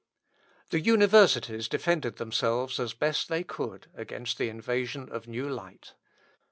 The universities defended themselves as they best could against the invasion of new light.